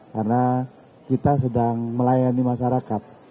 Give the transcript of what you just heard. karena kita sedang melayani masyarakat